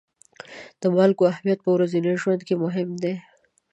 د مالګو اهمیت په ورځني ژوند کې مهم دی.